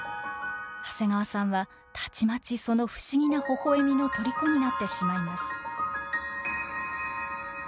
長谷川さんはたちまちその不思議なほほえみのとりこになってしまいます。